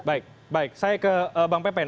baik baik saya ke bang pepen